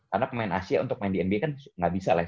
karena pemain asia untuk main di nba kan nggak bisa lah